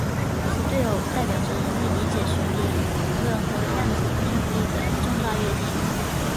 此对偶代表着人类理解弦理论和量子重力的重大跃进。